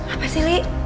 apa sih li